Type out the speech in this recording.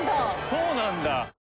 そうなんだ。